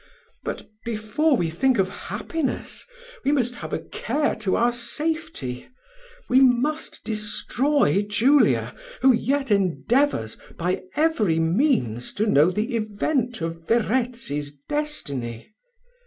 But, before we think of happiness, we must have a care to our safety: we must destroy Julia, who yet endeavours, by every means, to know the event of Verezzi's destiny.